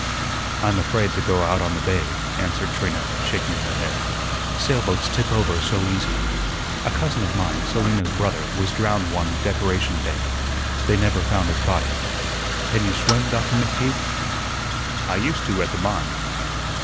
"I'm afraid to go out on the bay," answered Trina, shaking her head, "sailboats tip over so easy. A cousin of mine, Selina's brother, was drowned one Decoration Day. They never found his body. Can you swim, Doctor McTeague?" "I used to at the mine."